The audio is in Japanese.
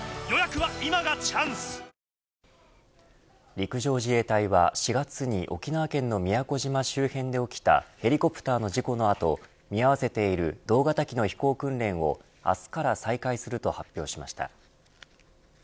陸上自衛隊は４月に沖縄県の宮古島周辺で起きたヘリコプターの事故の後見合わせている同型機の飛行訓練を明日から再開すると発表しました。